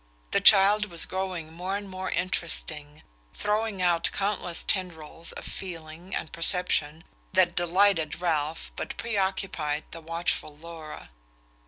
The child was growing more and more interesting throwing out countless tendrils of feeling and perception that delighted Ralph but preoccupied the watchful Laura.